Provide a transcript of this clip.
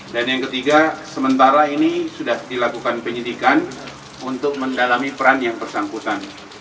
dan yang ketiga sementara ini sudah dilakukan penyidikan untuk mendalami peran yang bersangkutan